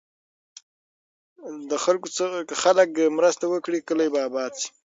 که خلک مرسته وکړي، کلي به اباد شي.